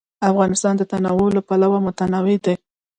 افغانستان د تنوع له پلوه متنوع دی.